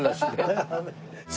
ハハハハ。